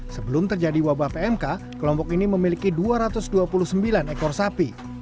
sebelum terjadi wabah pmk kelompok ini memiliki dua ratus dua puluh sembilan ekor sapi